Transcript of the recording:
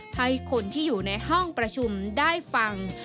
ให้คนที่อยู่ในห้องประชุมได้ฟัง